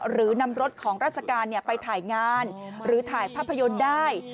หรือนำรถของราชการไปถ่ายงานหรือถ่ายภาพยนตร์ได้